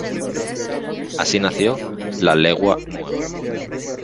Así nació "La Legua Nueva".